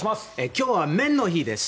今日は麺の日です。